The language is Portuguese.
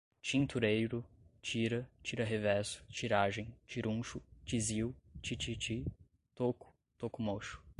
tintureiro, tira, tira revesso, tiragem, tiruncho, tisiu, tititi, toco, toco mocho